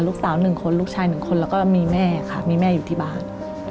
ลูกสาว๑คนลูกชาย๑คนแล้วก็มีแม่ค่ะมีแม่อยู่ที่บ้าน